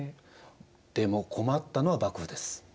でも困ったのは幕府です。